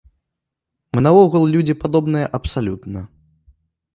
Мы наогул людзі падобныя абсалютна.